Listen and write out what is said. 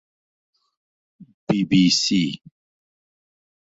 بی بی سی